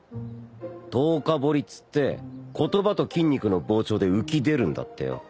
藤花彫りっつって言葉と筋肉の膨張で浮き出るんだってよ。